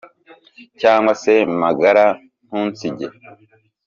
cyangwa se magara ntunsige